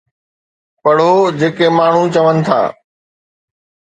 پڙهو جيڪي ماڻهو چون ٿا